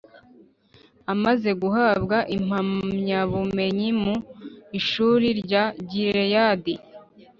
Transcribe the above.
Amaze guhabwa impamyabumenyi mu ishuri rya Gileyadi